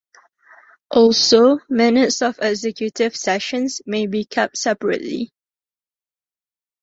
Also, minutes of executive sessions may be kept separately.